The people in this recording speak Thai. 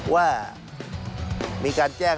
ว่ามีการแจ้ง